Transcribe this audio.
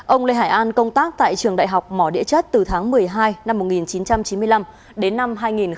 ông lê hải an công tác tại trường đại học mỏ địa chất từ tháng một mươi hai năm một nghìn chín trăm chín mươi năm đến năm hai nghìn một mươi